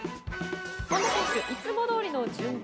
権田選手、いつもどおりの準備。